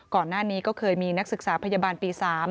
ก่อนหน้านี้ก็เคยมีนักศึกษาพยาบาลปี๓